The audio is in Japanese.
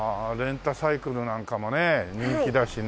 レンタサイクルなんかもね人気だしね